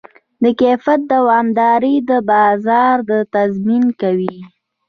د کیفیت دوامداري د بازار تضمین کوي.